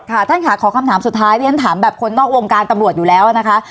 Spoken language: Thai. ท่านค่ะขอคำถามสุดท้ายเรียนถามแบบคนนอกวงการตำรวจอยู่แล้วนะคะ